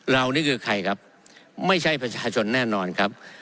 นี่คือใครครับไม่ใช่ประชาชนแน่นอนครับ